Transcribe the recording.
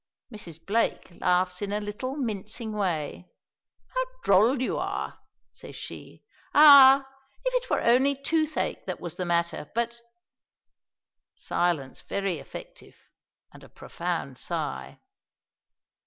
Mrs. Blake laughs in a little mincing way. "How droll you are," says she. "Ah! if it were only toothache that was the matter But " silence very effective, and a profound sigh.